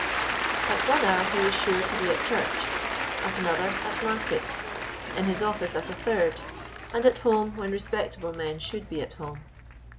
At one hour he was sure to be at church; at another, at market; in his office at a third, and at home when respectable men should be at home.